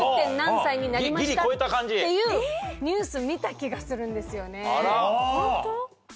ギリ超えた感じ？っていうニュース見た気がするんですよね。